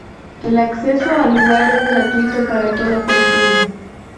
El acceso al lugar es gratuito para toda persona.